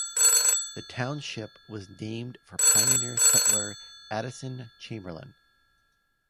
The Township was named for pioneer settler Addison Chamberlain.